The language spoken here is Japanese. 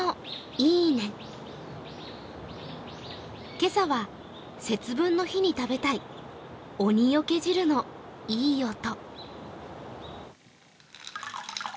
今朝は節分の日に食べたい鬼除け汁のいい音。